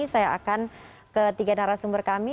saya akan ke tiga narasumber kami